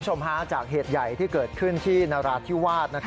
คุณผู้ชมฮะจากเหตุใหญ่ที่เกิดขึ้นที่นราธิวาส